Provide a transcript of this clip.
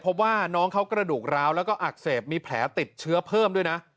พบว่าน้องเขากระดูกร้าวแล้วก็อักเสบมีแผลติดเชื้อเพิ่มด้วยนะ